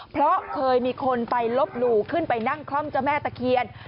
เพราะเคยมีคนไปลบหลู่ขึ้นไปนั่งคล่อมเจ้าแม่ตะเคียน